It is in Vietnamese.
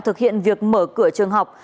thực hiện việc mở cửa trường học